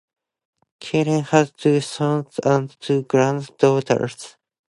Keren has two sons and two granddaughters.